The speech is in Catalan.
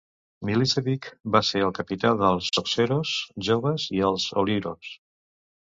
Milicevic va ser el capità dels Socceroos Joves i els Olyroos.